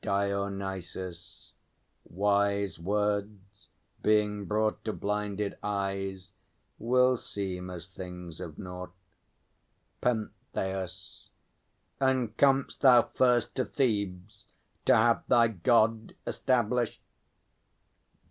DIONYSUS. Wise words being brought To blinded eyes will seem as things of nought. PENTHEUS. And comest thou first to Thebes, to have thy God Established?